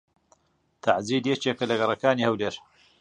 تەعجیل یەکێکە لە گەڕەکەکانی هەولێر.